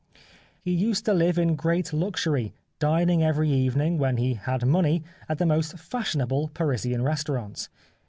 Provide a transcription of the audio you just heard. He used to live in great luxury, dining every evening, when he had money, at the most fashionable Parisian restaurants.